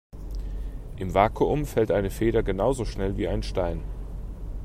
Im Vakuum fällt eine Feder genauso schnell wie ein Stein.